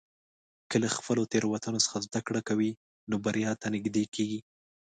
که له خپلو تېروتنو څخه زده کړه کوې، نو بریا ته نږدې کېږې.